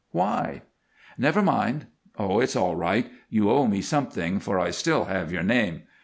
Why?" "Never mind. Oh, it's all right. You owe me something, for I still have your name.